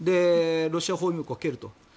ロシアに包囲網をかけると。